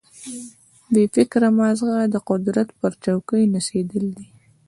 بې فکره ماغزه د قدرت پر چوکۍ نڅېدلي دي.